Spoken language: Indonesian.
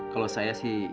kalau saya sih